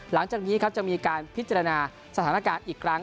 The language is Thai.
หลังจากนี้ครับจะมีการพิจารณาสถานการณ์อีกครั้ง